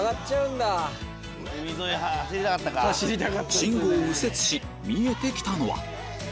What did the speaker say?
信号を右折し見えてきたのは？